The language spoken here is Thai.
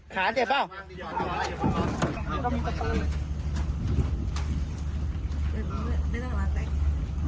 ขาเจ็บเปล่า